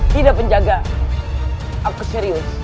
tidak penjaga aku serius